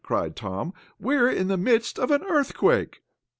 cried Tom. "We're in the midst of an earthquake!"